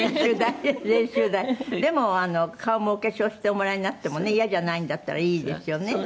でも顔もお化粧しておもらいになってもねイヤじゃないんだったらいいですよね。